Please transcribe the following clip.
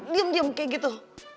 diam diam kayak gitu